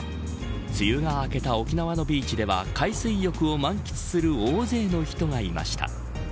梅雨が明けた沖縄のビーチでは海水浴を満喫する大勢の人がいました。